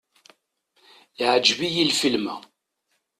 Iɛǧeb-iyi lfilm-a.